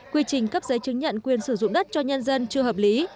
quy trình cấp giấy chứng nhận quyền sử dụng đất cho nhân dân chưa hợp lý